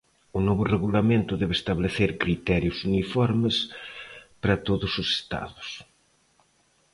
O novo regulamento debe establecer criterios uniformes para todos os estados.